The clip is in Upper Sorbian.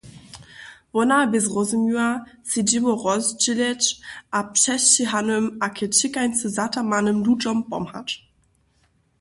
Wona bě zrozumiła, sej dźěło rozdźěleć a přesćěhanym a k ćěkańcy zatamanym ludźom pomhać.